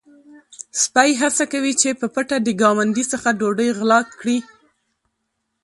سپی هڅه کوي چې په پټه د ګاونډي څخه ډوډۍ وغلا کړي.